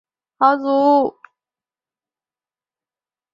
细野藤敦是日本战国时代于伊势国的豪族。